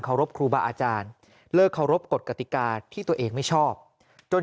รบครูบาอาจารย์เลิกเคารพกฎกติกาที่ตัวเองไม่ชอบจน